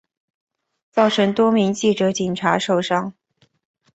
造成多名记者警察受伤